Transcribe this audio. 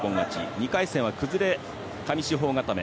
２回戦は崩れ上四方固め。